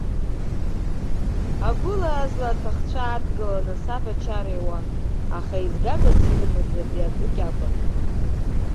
Агәыла-азла, аҭахцәа адгаланы, саб ачара иуан, аха еизгагас ирымаз абри абыкь акәын.